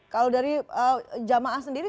kalau dari jemaah sendiri